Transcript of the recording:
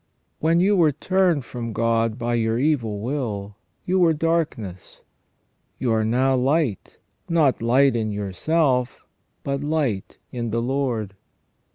When you were turned from God by your evil will, you were darkness ; you are now light, not light in yourself, but light in the Lord.